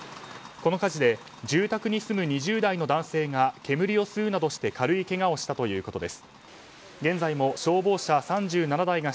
この火事で住宅に住む２０代の男性が煙を吸うなどして軽いけがをしたということです。